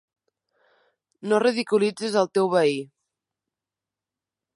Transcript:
No ridiculitzis el teu veí.